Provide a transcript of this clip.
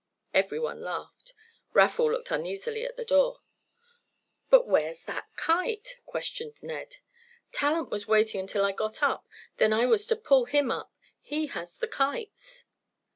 Everyone laughed. Raffle looked uneasily at the door. "But where's that kite?" questioned Ned. "Talent was waiting until I got up. Then I was to pull him up. He has the kites."